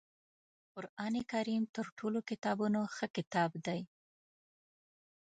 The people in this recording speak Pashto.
قرآنکریم تر ټولو کتابونو ښه کتاب دی